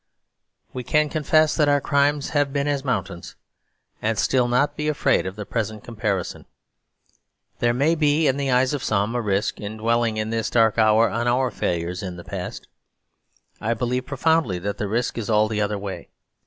We can confess that our crimes have been as mountains, and still not be afraid of the present comparison. There may be, in the eyes of some, a risk in dwelling in this dark hour on our failures in the past: I believe profoundly that the risk is all the other way.